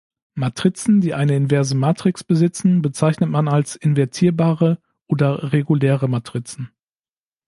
Matrizen, die eine inverse Matrix besitzen, bezeichnet man als "invertierbare" oder "reguläre" Matrizen.